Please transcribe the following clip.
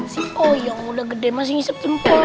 sioyang udah gede masih ngisep jempol